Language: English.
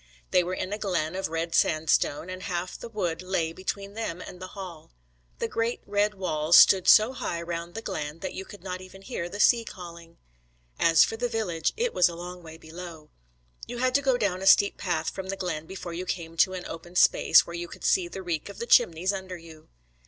They were in a glen of red sandstone, and half the wood lay between them and the Hall. The great red walls stood so high round the glen that you could not even hear the sea calling. As for the village, it was a long way below. You had to go down a steep path from the glen before you came to an open space, where you could see the reek of the chimneys under you.